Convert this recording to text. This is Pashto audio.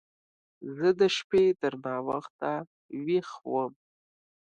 زه د شپې تر ناوخته ويښ وم.